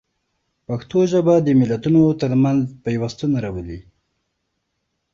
پښتو ژبه د ملتونو ترمنځ پیوستون راولي.